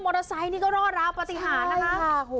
เตอร์ไซค์นี่ก็รอดราวปฏิหารนะคะ